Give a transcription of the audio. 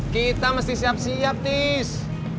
kita mesti siap siap tis